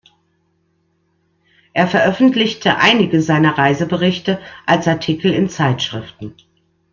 Er veröffentlichte einige seiner Reiseberichte als Artikel in Zeitschriften.